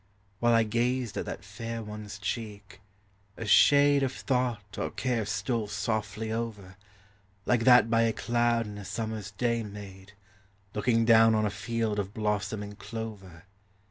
While I gazed at that fair one's cheek, a shade Of thought or care stole softh T over, Like that bv a cloud in a summer's dav made, Looking down on a field of blossoming clover.